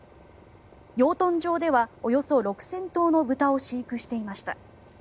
養豚場ではおよそ６０００頭の豚を飼育していました。